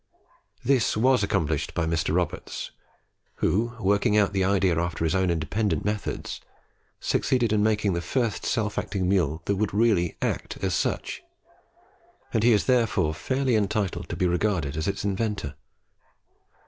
This was accomplished by Mr. Roberts, who, working out the idea after his own independent methods, succeeded in making the first self acting mule that would really act as such; and he is therefore fairly entitled to be regarded as its inventor.